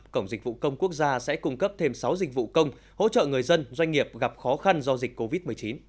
cổng dịch vụ công quốc gia sẽ cung cấp thêm sáu dịch vụ công hỗ trợ người dân doanh nghiệp gặp khó khăn do dịch covid một mươi chín